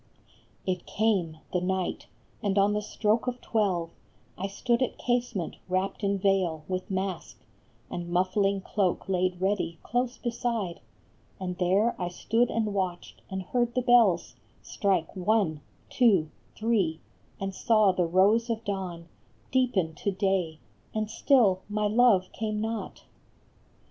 It came, the night, and on the stroke of twelve I stood at casement, wrapped in veil, with mask And muffling cloak laid ready close beside ; And there I stood and watched, and heard the bells Strike one, two, three, and saw the rose of dawn Deepen to day, and still my love came not.